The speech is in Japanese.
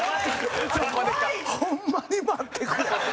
ホンマに待ってくれ。